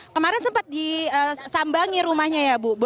kemarin sempat disambangi rumahnya ya bu